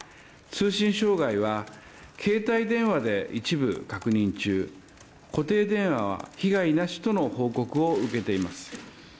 通信障害は、携帯電話で一部確認中、固定電話は被害なしとの報告を受けています。